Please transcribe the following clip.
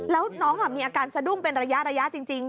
แล้วน้องมีอาการสะดุ้งเป็นระยะจริง